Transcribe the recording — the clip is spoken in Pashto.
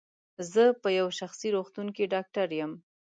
زه په یو شخصي روغتون کې ډاکټر یم.